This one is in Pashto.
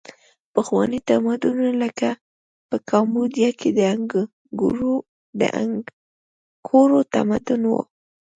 پخواني تمدنونه لکه په کامبودیا کې د انګکور تمدن و.